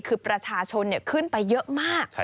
คือประชาชนขึ้นไปเยอะมาก